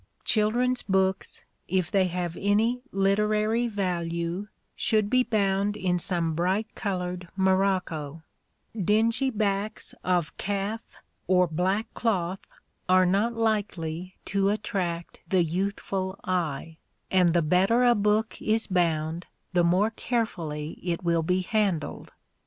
Children's books, if they have any literary value, should be bound in some bright colored morocco: dingy backs of calf or black cloth are not likely to attract the youthful eye, and the better a book is bound the more carefully it will be handled.